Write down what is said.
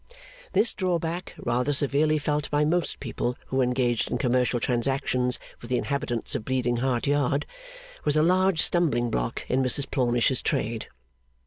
This drawback, rather severely felt by most people who engaged in commercial transactions with the inhabitants of Bleeding Heart Yard, was a large stumbling block in Mrs Plornish's trade.